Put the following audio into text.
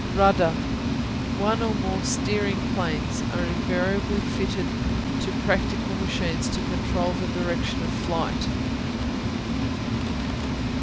Rudder One or more steering planes are invariably fitted to practical machines to control the direction of flight.